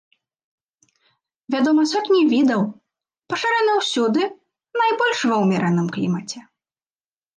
Вядома сотні відаў, пашыраны ўсюды, найбольш ва ўмераным клімаце.